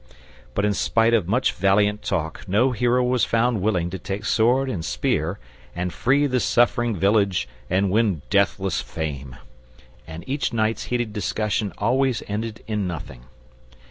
But in spite of much valiant talk no hero was found willing to take sword and spear and free the suffering village and win deathless fame; and each night's heated discussion always ended in nothing.